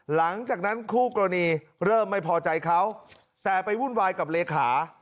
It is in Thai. หลังจากนั้นคู่กรณีเริ่มไม่พอใจเขาแต่ไปวุ่นวายกับเลขา